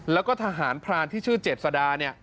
และทหารพรานที่ชื่อเจ็บสดาเนี่ย